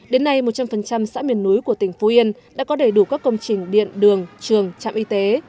đến nay một trăm linh xã miền núi của tỉnh phú yên đã có đầy đủ các công trình điện đường trường trạm y tế